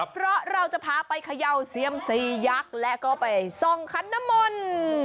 เพราะเราจะพาไปเขย่าเซียมซียักษ์และก็ไปส่องคันนมล